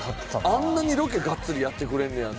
あんなにロケがっつりやってくれんねやって。